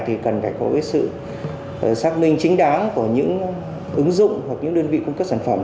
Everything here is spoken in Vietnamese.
thì cần phải có sự xác minh chính đáng của những ứng dụng hoặc những đơn vị cung cấp sản phẩm